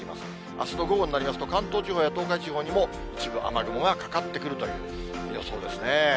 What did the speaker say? あすの午後になりますと、関東地方や東海地方にも、一部雨雲がかかってくるという予想ですね。